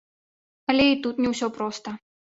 Але і тут не ўсё проста.